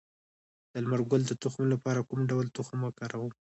د لمر ګل د تخم لپاره کوم ډول تخم وکاروم؟